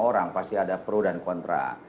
orang pasti ada pro dan kontra